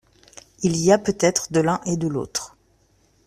Il y a peut-être de l’un et de l’autre.